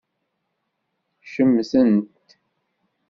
Ccemten-t.